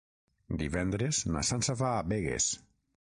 Divendres na Sança va a Begues.